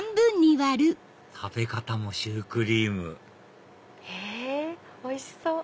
食べ方もシュークリームへぇおいしそう！